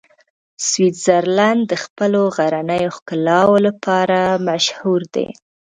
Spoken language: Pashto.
سویټزرلنډ د خپلو غرنیو ښکلاوو لپاره مشهوره دی.